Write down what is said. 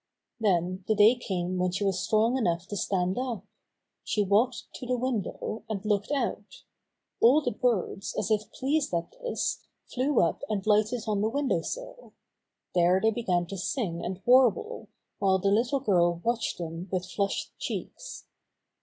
Then the day came when she was strong enough to stand up. She walked to the win dow, and looked out. All the birds, as if pleased at this, flew up and lighted on the window sill. There they began to sing and warble, while the little girl watched them with flushed cheeks.